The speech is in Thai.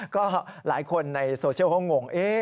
ก็หลายคนในโซเชียลเขางง